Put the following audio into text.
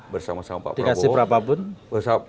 bersama sama pak prabowo